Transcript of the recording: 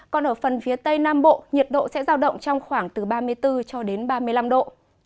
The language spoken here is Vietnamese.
còn ở phần phía tây nam bộ nhiệt độ sẽ giao động trong khoảng từ ba mươi bốn cho đến ba mươi năm độ